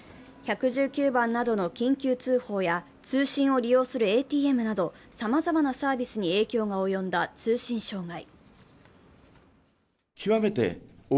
１１９番通報などの緊急通報や通信を利用するＡＴＭなどさまざまなサービスに影響が及んだ通信障害。